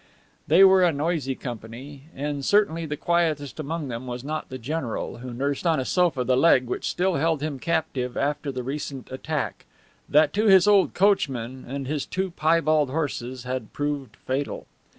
They were a noisy company, and certainly the quietest among them was not the general, who nursed on a sofa the leg which still held him captive after the recent attack, that to his old coachman and his two piebald horses had proved fatal.